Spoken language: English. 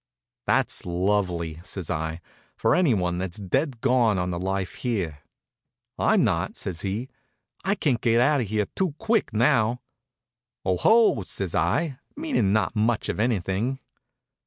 "That's lovely," says I, "for anyone that's dead gone on the life here." "I'm not," says he. "I can't get out of here too quick, now." "Oh, ho!" says I, meaning not much of anything.